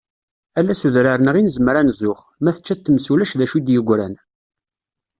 Ala s udrar-nneɣ i nezmer ad nzux, ma tečča-t tmes ulac dacu i d-yegran